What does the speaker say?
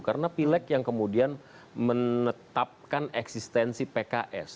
karena pileg yang kemudian menetapkan eksistensi pks